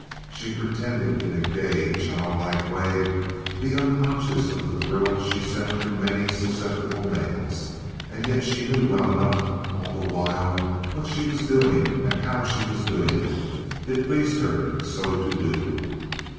She pretended in a gay, childlike way to be unconscious of the thrill she sent through many susceptible males, and yet she knew well enough all the while what she was doing and how she was doing it; it pleased her so to do.